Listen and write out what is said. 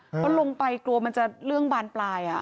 เพราะลงไปกลัวมันจะเรื่องบานปลาย